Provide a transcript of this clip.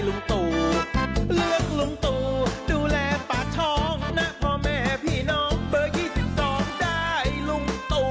ลุงตูอยู่ไหนเวอร์ชัน๒